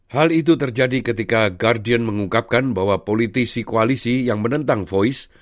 hal itu terjadi ketika guardian mengungkapkan bahwa politisi koalisi yang menentang voice